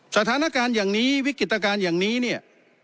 สถานการณ์อย่างนี้วิกฤตการณ์อย่างนี้เนี่ย